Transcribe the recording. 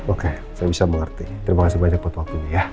oke saya bisa mengerti terima kasih banyak buat waktunya ya